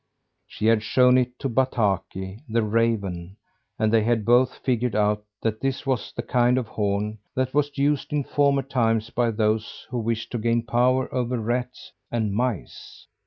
She had shown it to Bataki, the raven; and they had both figured out that this was the kind of horn that was used in former times by those who wished to gain power over rats and mice.